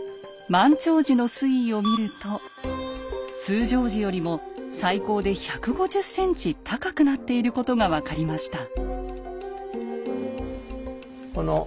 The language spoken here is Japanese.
満潮時の水位を見ると通常時よりも最高で１５０ｃｍ高くなっていることが分かりました。